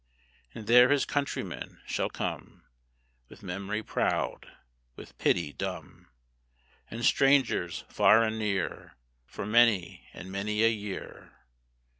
And there his countrymen shall come, With memory proud, with pity dumb, And strangers far and near, For many and many a year.